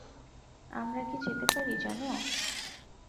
আমরা কি যেতে পারি, জান?